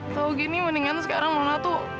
tahu gini mendingan sekarang nona tuh